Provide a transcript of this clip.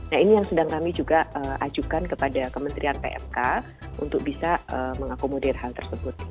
nah ini yang sedang kami juga ajukan kepada kementerian pmk untuk bisa mengakomodir hal tersebut